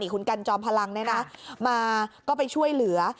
คุณกันจอมพลังมาก็ไปช่วยเหลือ